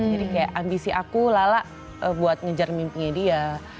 jadi kayak ambisi aku lala buat ngejar mimpinya dia